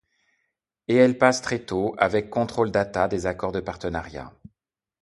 Et elle passe très tôt avec Control Data des accords de partenariats.